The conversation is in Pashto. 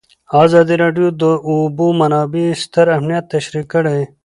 ازادي راډیو د د اوبو منابع ستر اهميت تشریح کړی.